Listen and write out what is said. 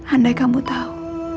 andai kamu tahu